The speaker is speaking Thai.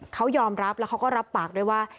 เขายอมรับแล้วเขาก็รับปากด้วยว่า